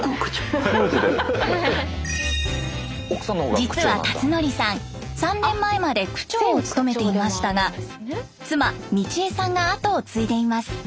実は辰徳さん３年前まで区長を務めていましたが妻美千枝さんが後を継いでいます。